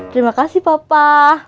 terima kasih papa